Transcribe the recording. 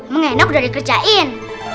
mengenok dari kerjain